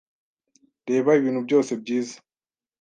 Reba ibintu byose byiza.